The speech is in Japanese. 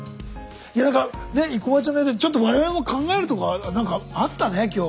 いや何かね生駒ちゃんの言うとおりちょっと我々も考えるとこが何かあったね今日。